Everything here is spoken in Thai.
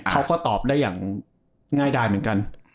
เขาก็ตอบได้อย่างง่ายดายเหมือนกัน